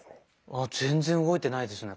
あっ全然動いてないですね